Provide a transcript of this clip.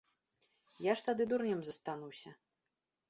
Я ж тады дурнем застануся.